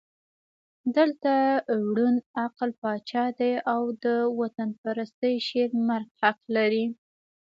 دلته ړوند عقل پاچا دی او د وطنپرستۍ شعر مرګ حق لري.